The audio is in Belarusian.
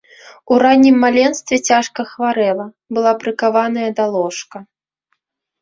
У раннім маленстве цяжка хварэла, была прыкаваная да ложка.